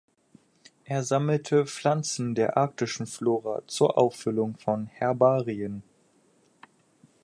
Er sammelte Pflanzen der arktischen Flora zur Auffüllung von Herbarien.